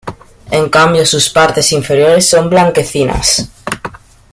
En cambio sus partes inferiores son blanquecinas.